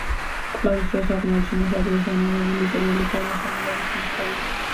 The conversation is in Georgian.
კვლევის დროს აღმოაჩინეს აგურისგან აგებული წრიული ფორმის შენობების ნაშთები.